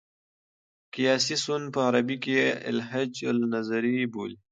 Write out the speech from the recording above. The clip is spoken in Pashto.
قیاسي سون په عربي کښي الهج النظري بولي.